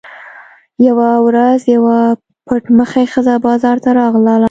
یوه ورځ یوه پټ مخې ښځه بازار ته راغله.